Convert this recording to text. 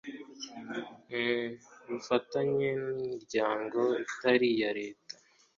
Ubufatanye n imiryango itari iya leta